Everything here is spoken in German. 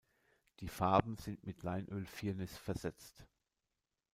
Die Farben sind mit Leinölfirnis versetzt.